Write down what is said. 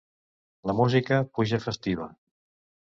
La música puja festiva.